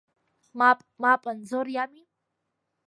Мап, мап, Анзор иами!